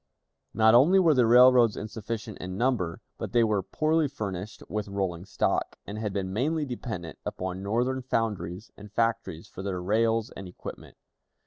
Not only were the railroads insufficient in number, but they were poorly furnished with rolling stock, and had been mainly dependent upon Northern foundries and factories for their rails and equipment.